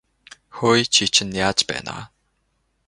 Хөөе чи чинь яаж байна аа?